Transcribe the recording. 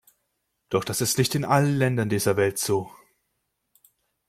Doch das ist nicht in allen Ländern dieser Welt so.